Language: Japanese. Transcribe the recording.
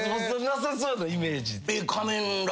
なさそうなイメージ。